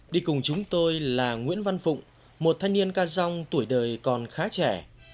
đi cùng chúng tôi là nguyễn văn phụng một thanh niên ca rong tuổi đời còn khá trẻ